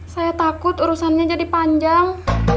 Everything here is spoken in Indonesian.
saya takut urusannya jadi panjang